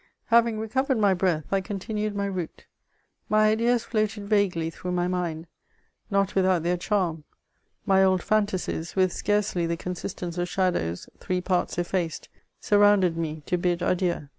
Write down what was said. Having recovered my breath, I contini^d my route : my ideas floated vaguely through my mind, not without their charm ; my old &ntasies, with scarcely the ccmsistence of shadows three parts effaced, surrounded me, to bid adieu.